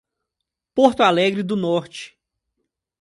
Porto Alegre do Norte